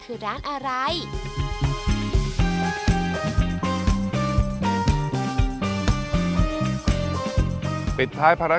ก็เลยเริ่มต้นจากเป็นคนรักเส้น